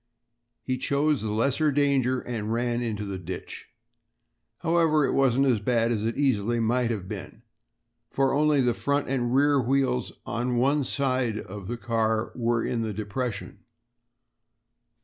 He chose the lesser danger and ran into the ditch. However, it wasn't as bad as it easily might have been, for only the front and rear wheels of one side of the car were in the depression.